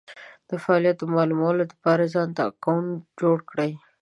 دفعالیت د مالومولو دپاره ځانته اکونټ جوړ کړی